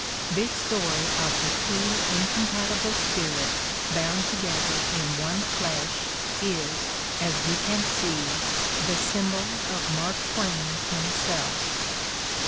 This story of the two incompatible spirits bound together in one flesh is, as we can see, the symbol of Mark Twain himself.